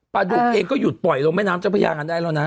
ดุเองก็หยุดปล่อยลงแม่น้ำเจ้าพระยากันได้แล้วนะ